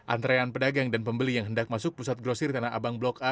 antrean pedagang dan pembeli yang hendak masuk pusat grosir tanah abang blok a